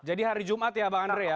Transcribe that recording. jadi hari jumat ya mbak andre ya